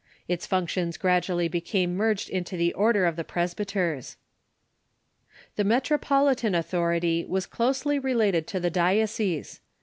Its functions grad ually became merged into the order of presbyters. The metropolitan authority was closely related to the dio cese.